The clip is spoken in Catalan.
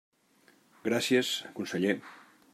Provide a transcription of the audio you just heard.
Gràcies, conseller.